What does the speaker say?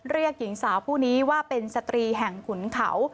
หญิงสาวผู้นี้ว่าเป็นสตรีแห่งขุนเขา